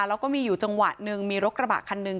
แล้วก็มีอยู่จังหวะหนึ่งมีรถกระบะคันหนึ่ง